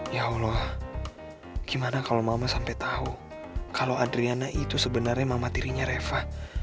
ya allah gimana kalo mama sampe tau kalo adriana itu sebenernya mama dirinya reva